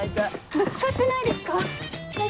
ぶつかってないですか？